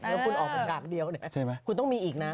เดี๋ยวคุณออกกระดาษเดียวคุณต้องมีอีกนะ